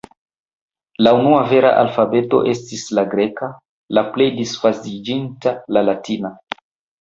La unua vera alfabeto estis la greka, la plej disvastiĝinta la latina.